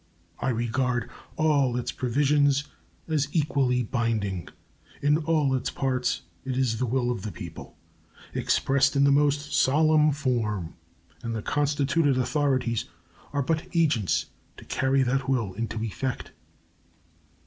I regard all its provisions as equally binding. In all its parts it is the will of the people expressed in the most solemn form, and the constituted authorities are but agents to carry that will into effect.